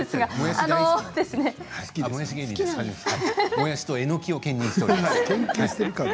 もやしとえのきを兼任しております。